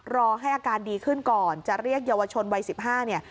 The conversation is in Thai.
รอให้อาการดีขึ้นก่อนจะเรียกเยาวชนวัย๑๕เนี่ย